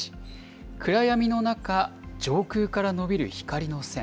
暗闇の中、上空から伸びる光の線。